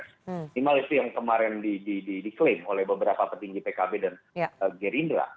ini malah itu yang kemarin di claim oleh beberapa petinggi pkb dan gerindra